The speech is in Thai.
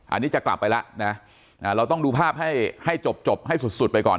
อันนี้จะกลับไปแล้วนะเราต้องดูภาพให้ให้จบให้สุดสุดไปก่อน